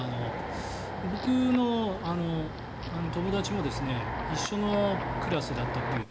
僕の友達も一緒のクラスだったという。